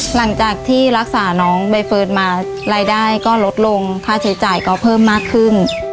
หลังจากที่รักษาน้องใบเฟิร์นมารายได้ก็ลดลงค่าใช้จ่ายก็เพิ่มมากขึ้น